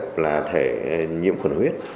cái bệnh nhân gặp là thể nhiễm khuẩn huyết